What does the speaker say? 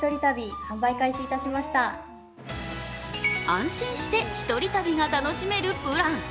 安心して１人旅が楽しめるプラン。